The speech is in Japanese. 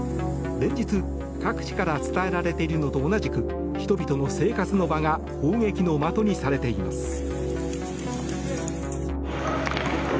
連日、各地から伝えられているのと同じく人々の生活の場が砲撃の的にされています。